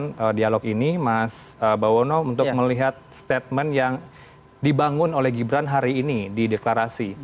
dalam dialog ini mas bawono untuk melihat statement yang dibangun oleh gibran hari ini di deklarasi